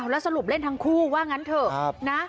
แล้วสรุปเล่นทั้งคู่ว่างั้นเถอะนะ